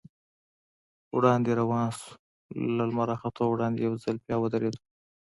وړاندې روان و، له لمر راختو وړاندې یو ځل بیا ودرېدو.